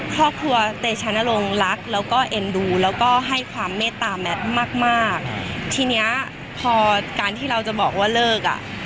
ครอบครัวเตชะนรงค์รักแล้วก็เอ็นดูแล้วก็ให้ความเมตตาแมทมากมากทีเนี้ยพอการที่เราจะบอกว่าเลิกอ่ะ